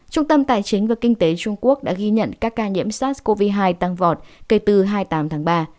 trung tâm tài chính và kinh tế trung quốc đã ghi nhận các ca nhiễm sars cov hai tăng vọt kể từ hai mươi tám tháng ba